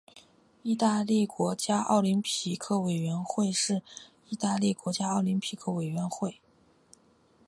意大利国家奥林匹克委员会是意大利的国家奥林匹克委员会。